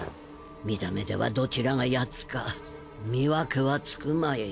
見た目ではどちらがヤツか見分けはつくまい。